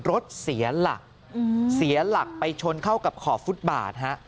รถเสียหลักไปชนเข้ากับขอบฟุตบาทฮะ